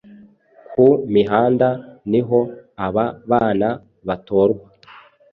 ku mihanda niho aba bana batorwa